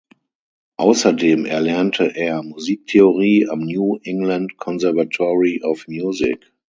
Außerdem erlernte er Musiktheorie am New England Conservatory of Music.